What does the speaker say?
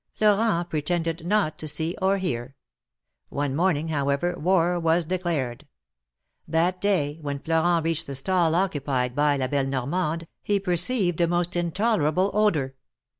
Florent pretended not to see or hear. One morning, however, war was declared. That day, when Florent reached the stall occupied by La belle Normande, he perceived a most intolerable odor.